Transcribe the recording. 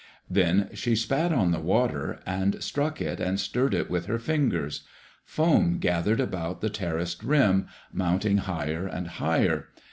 Then she spat on the water and struck it and stirred it with her fingers. Foam gathered about the terraced rim, mounting higher and higher.